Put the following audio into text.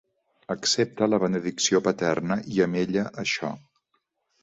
Accepta la benedicció paterna i, amb ella, això.